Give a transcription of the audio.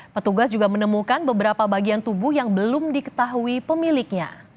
petugas juga menemukan beberapa bagian tubuh yang belum diketahui pemiliknya